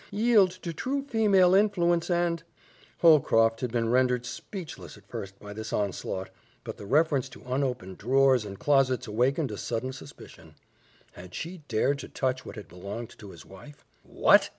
Yield to true female influence and " Holcroft had been rendered speechless at first by this onslaught, but the reference to unopened drawers and closets awakened a sudden suspicion. Had she dared to touch what had belonged to his wife? "What!"